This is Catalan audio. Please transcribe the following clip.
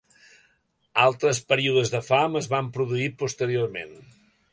Altres períodes de fam es van produir posteriorment.